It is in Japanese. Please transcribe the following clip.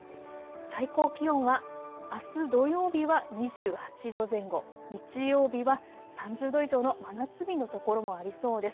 最高気温はあす土曜日は２８度前後、日曜日は３０度以上の真夏日の所もありそうです。